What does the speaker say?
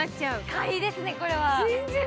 買いですね、これは！